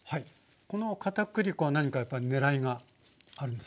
この片栗粉は何かやっぱり狙いがあるんですか？